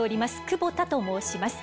久保田と申します。